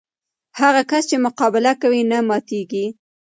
هغه کس چې مقابله کوي، نه ماتېږي.